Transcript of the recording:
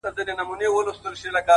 چا ویل؟ چي سوځم له انګار سره مي نه لګي-